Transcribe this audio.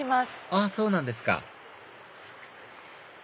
あっそうなんですか